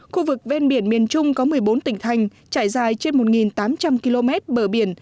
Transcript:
khu vực ven biển miền trung có một mươi bốn tỉnh thành trải dài trên một tám trăm linh km bờ biển